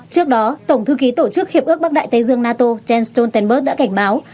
trước đó tổng thư ký tổ chức hiệp ước bắc đại tây dương nato jens stoltenberg đã cảnh báo